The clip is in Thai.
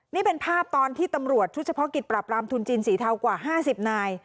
นี่เป็นภาพตอนที่ตำรวจชุดเฉพาะกิจปราบรามทุนจีนสีเทากว่า๕๐นาย